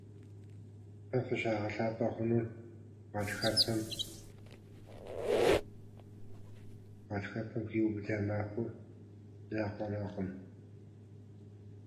Фэ фыщагъэлъапӀэ хъунур гъатхэпэм хиубыдэ махуэ закъуэракъым.